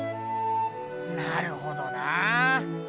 なるほどなあ。